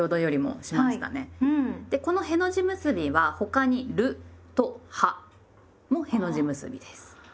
でこの「への字結び」は他に「る」と「は」もへの字結びです。